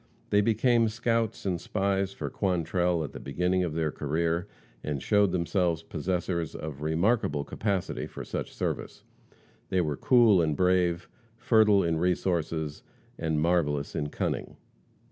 They became scouts and spies for Quantrell at the beginning of their career, and showed themselves possessors of remarkable capacity for such service. They were cool and brave, fertile in resources, and marvelous in cunning.